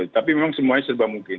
tapi memang semuanya serba mungkin